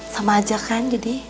sama aja kan jadi